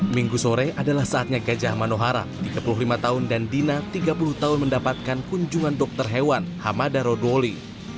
minggu sore adalah saatnya gajah manohara tiga puluh lima tahun dan dina tiga puluh tahun mendapatkan kunjungan dokter hewan hamada rodoli